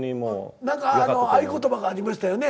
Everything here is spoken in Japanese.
何か合言葉がありましたよね？